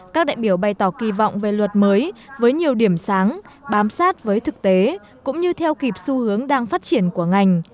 các đại biểu bày tỏ kỳ vọng về luật mới với nhiều điểm sáng bám sát với thực tế cũng như theo kịp xu hướng đang phát triển của ngành